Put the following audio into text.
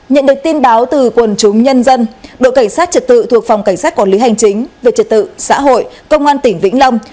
nhận được tin báo từ quần chúng nhân dân đội cảnh sát trật tự thuộc phòng cảnh sát quản lý hành chính về trật tự xã hội công an tỉnh vĩnh long